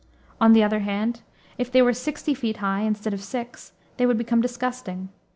On the other hand, if they were sixty feet high instead of six, they would become disgusting.